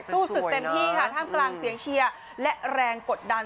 สู้สุดเต็มที่ค่ะท่ามกลางเสียงเชียร์และแรงกดดัน